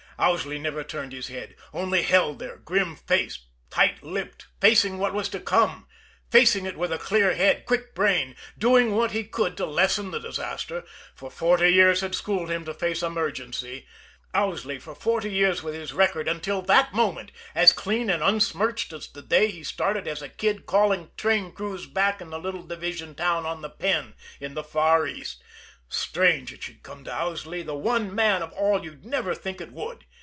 Owsley never turned his head only held there, grim faced, tight lipped, facing what was to come facing it with clear head, quick brain, doing what he could to lessen the disaster, as forty years had schooled him to face emergency. Owsley for forty years with his record, until that moment, as clean and unsmirched as the day he started as a kid calling train crews back in the little division town on the Penn in the far East! Strange it should come to Owsley, the one man of all you'd never think it would!